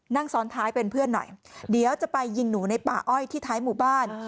นั่งซ้อนท้ายเป็นเพื่อนหน่อยเดี๋ยวจะไปยิงหนูในป่าอ้อยที่ท้ายหมู่บ้าน